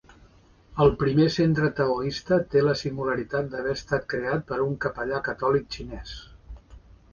El primer centre taoista té la singularitat d’haver estat creat per un capellà catòlic xinès.